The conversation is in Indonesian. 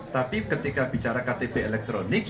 tapi ketika bicara ktp elektronik